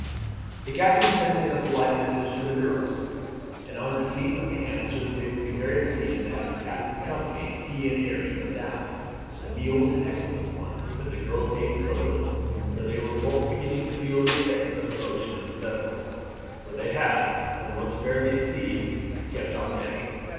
The captain sent in a polite message to the girls, and on the receipt of the answer that they would be very pleased to have the captain's company, he and Harry went down. The meal was an excellent one, but the girls ate but little, for they were both beginning to feel the effects of the motion of the vessel, for they had, when once fairly at sea, kept on deck.